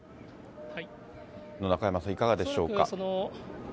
中山さん、いかがでしょうか。